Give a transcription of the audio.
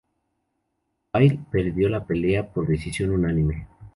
Pyle perdió la pelea por decisión unánime.